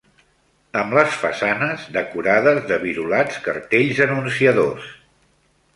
Amb les façanes decorades de virolats cartells anunciadors